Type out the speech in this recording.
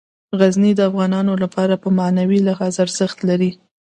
غزني د افغانانو لپاره په معنوي لحاظ ارزښت لري.